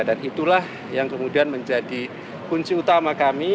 dan itulah yang kemudian menjadi kunci utama kami